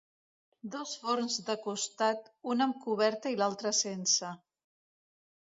Dos forns de costat, un amb coberta i l'altre sense.